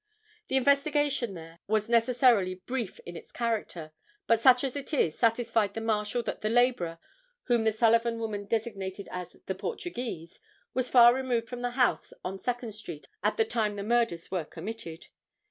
The investigation there was necessarily brief in its character, but such as it was, satisfied the Marshal that the laborer, whom the Sullivan woman designated as the Portuguese, was far removed from the house on Second street at the time the murders were committed.